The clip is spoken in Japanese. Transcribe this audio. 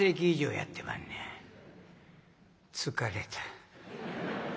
疲れた。